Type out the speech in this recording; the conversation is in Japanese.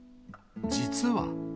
実は。